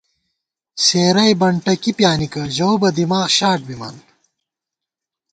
سېری بنٹہ کی پیانِکہ، ژَؤ بہ دِماغ شاٹ بِمان